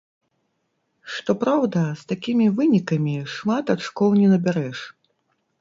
Што праўда, з такімі вынікамі шмат ачкоў не набярэш.